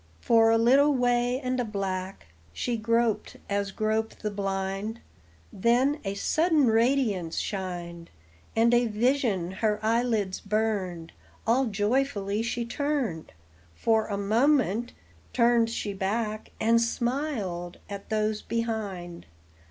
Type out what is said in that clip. For a little way and a black She groped as grope the blind, Then a sudden radiance shined, And a vision her eyelids burned; All joyfully she turned, For a moment turned she back, And smiled at those behind.